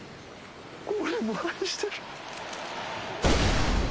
俺も愛してる。